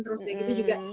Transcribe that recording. terus gitu juga